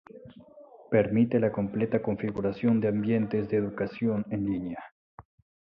Permite la completa configuración de ambientes de educación en línea.